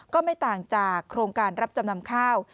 ก็ไม่ต่างจากโครงการรับจำนำข้าว